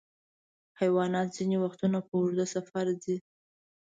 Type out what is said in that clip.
حیوانات ځینې وختونه په اوږده سفر ځي.